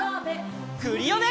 クリオネ！